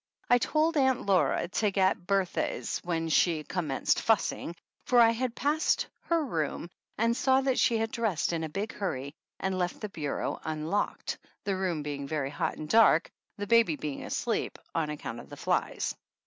I told Aunt Laura to get Bertha's, when she com menced fussing, for I had passed her room and saw that she had dressed in a big hurry and left the bureau unlocked, the room being very hot and dark, the baby being asleep, on account of the flies.